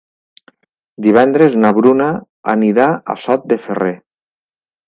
Divendres na Bruna anirà a Sot de Ferrer.